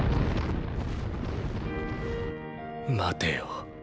待てよ